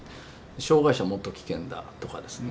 障害者はもっと危険だとかですね。